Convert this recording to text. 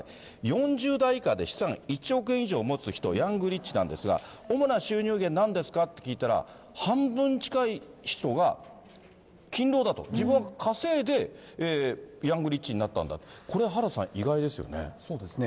４０代以下で資産１億円以上持つ人、ヤングリッチなんですが、主な収入源なんですかって聞いたら、半分近い人が勤労だと、自分が稼いでヤングリッチになったんだと、これ原田さん、意外でそうですね。